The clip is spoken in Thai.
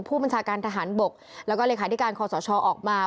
ผู้บัญชาการทหารบกแล้วก็เลขาธิการคอสชออกมา